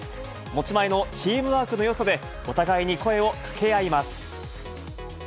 持ち前のチームワークのよさで、お互いに声を掛け合います。